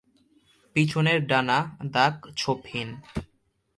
পিছনের ডানা দাগ-ছোপহীন।